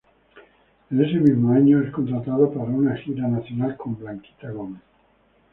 En ese mismo año es contratado para una gira nacional con Blanquita Gómez.